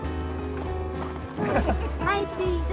はいチーズ！